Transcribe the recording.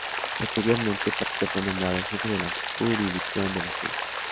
Posteriormente, Paquito fue nombrado jefe de la jurisdicción de Las Tunas.